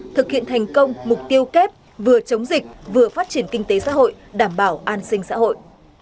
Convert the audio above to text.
thực hiện thành công mục tiêu kép vừa chống dịch vừa phát triển kinh tế xã hội đảm bảo an sinh xã hội